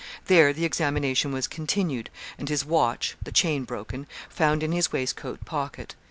There the examination was continued, and his watch (the chain broken) found in his waistcoat pocket.